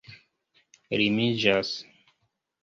rimiĝas